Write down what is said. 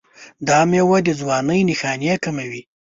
دا میوه د ځوانۍ نښانې کموي.